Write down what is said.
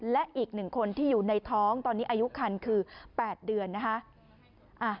และอีก๑คนที่อยู่ในท้องตอนนี้อายุคันคือ๘เดือนนะคะ